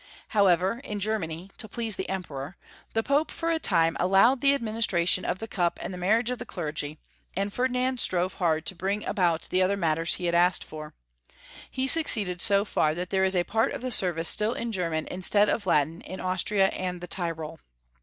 However, in Germany, to please the Emperor, the Pope, for a time, allowed the admin istration of the Cup and the marriage of the clergy, and Ferdinand strove hard to bring about the other 304 Young Folks^ Si%tory of Grermany. matters he had asked for. He succeeded so far that there is a part of the service still in German instead of Latin in Austria and the Tyrol.